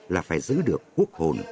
là phải giữ được quốc hồn